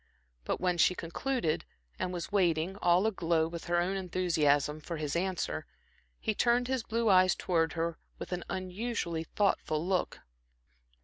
But when she concluded, and was waiting, all aglow with her own enthusiasm, for his answer, he turned his blue eyes towards her with an unusually thoughtful look.